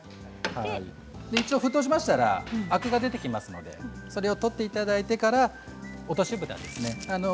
一応、沸騰しましたらアクが出てきますのでそれを取っていただいてから落としぶたですね。